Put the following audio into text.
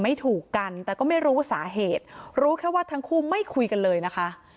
ไม่ถูกกันแต่ก็ไม่รู้สาเหตุรู้แค่ว่าทั้งคู่ไม่คุยกันเลยนะคะ